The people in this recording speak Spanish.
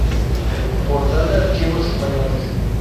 Portal de Archivos Españoles